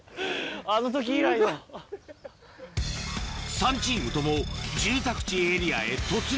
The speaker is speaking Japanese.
３チームとも住宅地エリアへ突入